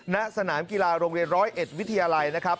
ณสนามกีฬาโรงเรียน๑๐๑วิทยาลัยนะครับ